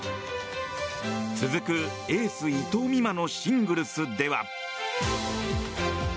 続く、エース伊藤美誠のシングルスでは。